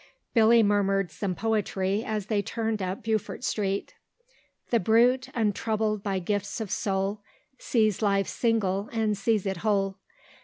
Billy murmured some poetry as they turned up Beaufort Street. "The brute, untroubled by gifts of soul, Sees life single and sees it whole.